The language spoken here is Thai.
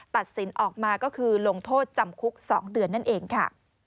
ตัดสินออกมาก็คือลงโทษจำคุก๒เดือนนั่นเองค่ะ